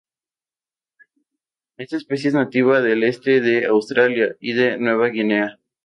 Esta especie es nativa del este de Australia y de Nueva Guinea.